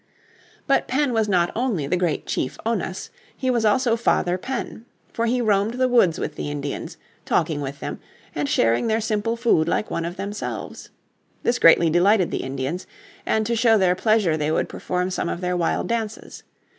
But Penn was not only the great Chief Onas, he was also Father Penn. For he roamed the woods with the Indians, talking with them, and sharing their simple food like one of themselves. This greatly delighted the Indians, and to show their pleasure they would perform some of their wild dances.